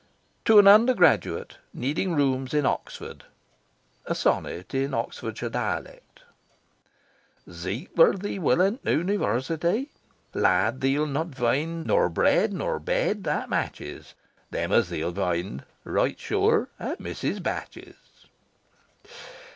TO AN UNDERGRADUATE NEEDING ROOMS IN OXFORD (A Sonnet in Oxfordshire Dialect) Zeek w'ere thee will in t'Univursity, Lad, thee'll not vind nor bread nor bed that matches Them as thee'll vind, roight zure, at Mrs. Batch's...